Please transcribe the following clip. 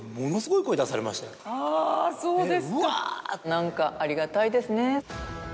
何かありがたいですね。